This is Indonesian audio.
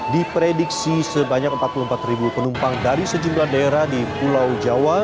diprediksi sebanyak empat puluh empat penumpang dari sejumlah daerah di pulau jawa